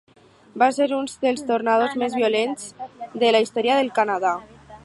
Va ser un dels tornados més violents de la història del Canadà.